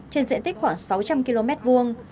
trên diện tích khoảng sáu trăm linh km vuông